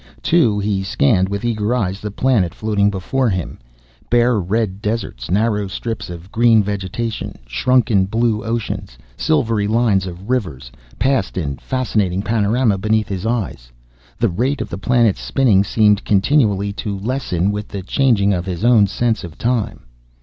Too, he scanned with eager eyes the planet floating before him. Bare, red deserts; narrow strips of green vegetation; shrunken, blue oceans; silvery lines of rivers, passed in fascinating panorama beneath his eyes. The rate of the planet's spinning seemed continually to lessen, with the changing of his own sense of time.